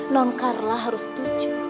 non karla harus setuju